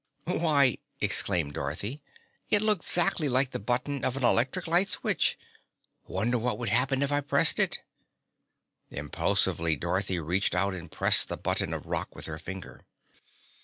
"Why," exclaimed Dorothy, "it looks 'zactly like the button of an electric light switch! Wonder what would happen if I pressed it?" Impulsively Dorothy reached out and pressed the button of rock with her finger.